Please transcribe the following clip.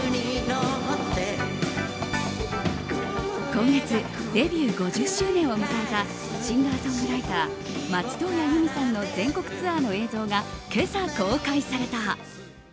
今月デビュー５０周年を迎えたシンガーソングライター松任谷由実さんの全国ツアーの映像が今朝、公開された。